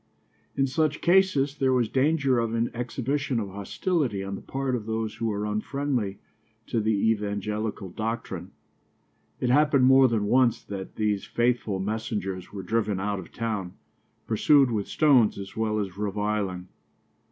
In such cases there was danger of an exhibition of hostility on the part of those who were unfriendly to the evangelical doctrine. It happened more than once that these faithful messengers were driven out of town, pursued with stones as well as reviling.